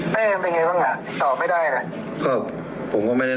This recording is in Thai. เป้เป็นไงรู้หวะตอบไม่ได้อ่ะ